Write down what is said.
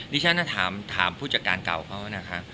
ดิฉันนะถามผู้จักรกรกับเขานะคะ